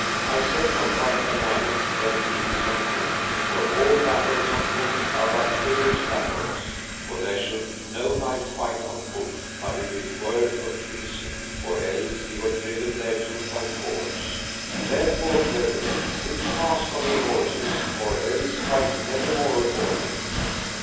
I set not by a knight when he is on foot, for all battles on foot are but pillers' battles. For there should no knight fight on foot but if it were for treason, or else he were driven thereto by force; therefore, brethren, sit fast on your horses, or else fight never more afore me.